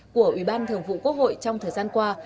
của ủy ban thường vụ quốc hội trong thời gian qua